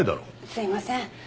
すいません。